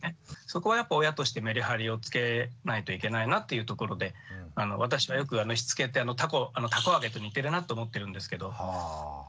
そこはやっぱ親としてメリハリをつけないといけないなっていうところで私もよくしつけって「たこ揚げ」と似てるなと思ってるんですけど。